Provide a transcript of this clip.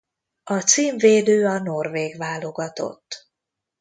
A címvédő a norvég válogatott.